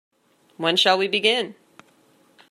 When shall we begin?